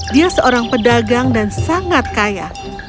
dia seorang pedagang dan sangat kaya